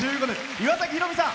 岩崎宏美さん。